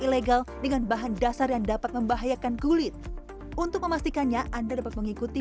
ilegal dengan bahan dasar yang dapat membahayakan kulit untuk memastikannya anda dapat mengikuti